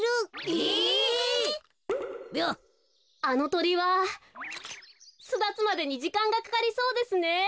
あのトリはすだつまでにじかんがかかりそうですね。